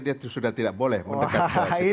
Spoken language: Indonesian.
dia sudah tidak boleh mendekat ke situ